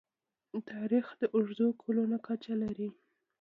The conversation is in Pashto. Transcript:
تاریخ د اوږدو کلونو کچه لري.